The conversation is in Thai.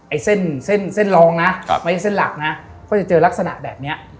ไอ้เส้นรองก็จะเจอลักษณะแบบเงี้ย